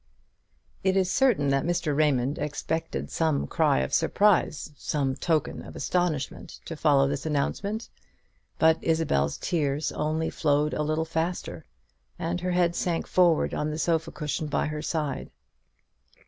It is certain that Mr. Raymond expected some cry of surprise, some token of astonishment, to follow this announcement; but Isabel's tears only flowed a little faster, and her head sank forward on the sofa cushion by her side.